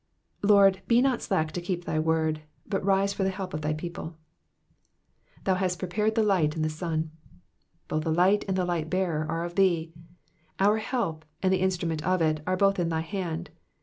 Lord, be not slack to keep thy word, but rise for the help of thy people. *'^Thou hast prepared the light and the sun,'*'' . Both light and the light bearer are of thee. Our help, and the instrument of it, are both in thy hand.